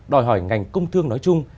đòi hỏi ngành công thương nói chung